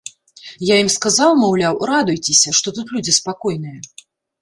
Я ім сказаў, маўляў, радуйцеся, што тут людзі спакойныя.